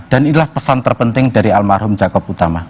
inilah pesan terpenting dari almarhum jakob utama